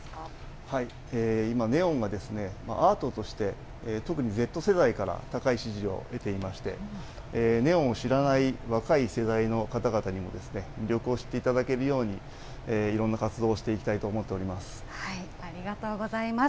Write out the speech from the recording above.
今、ネオンがアートとして特にＺ世代から高い支持を得ていまして、ネオンを知らない若い世代の方々にも魅力を知っていただけるように、いろんな活動をしていありがとうございます。